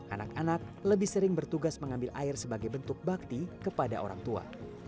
anak anak lebih sering bertugas mengambil air sebagai bentuk bakti kepada orang tua